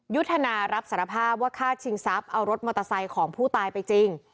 ยุทธนารับสารภาพว่าฆ่าชิงทรัพย์เอารถมอเตอร์ไซค์ของผู้ตายไปจริง